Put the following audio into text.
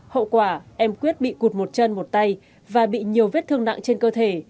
hậu quả em quyết bị cụt một chân một tay và bị nhiều vết thương nặng trên cơ thể